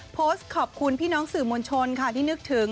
โพสต์ขอบคุณพี่น้องสื่อมวลชนค่ะที่นึกถึง